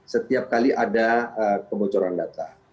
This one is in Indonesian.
setiap kali ada kebocoran data